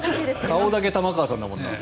顔だけ玉川さんだもんな。